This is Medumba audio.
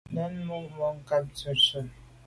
Njen mo’ bàm nkàb ntshu ntse.